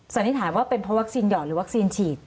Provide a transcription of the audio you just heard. สันนิษฐานว่าเป็นเพราะวัคซีนหยอดหรือวัคซีนฉีด